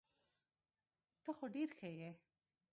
ته خو ډير ښه يي .